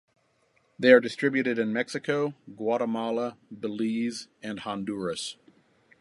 They are distributed in Mexico, Guatemala, Belize, and Honduras.